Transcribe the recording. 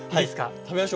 食べましょう。